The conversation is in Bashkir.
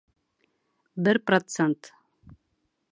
Бер процент